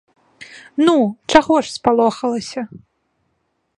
Ну, чаго ж спалохалася?